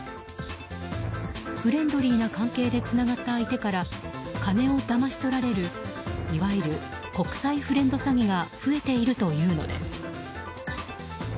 フレンドリーな関係でつながった相手から金をだまし取られるいわゆる国際フレンド詐欺が増えているというのです。